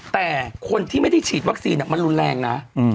แต่คนที่ไม่ได้ฉีดวัคซีนมันรุนแรงนะ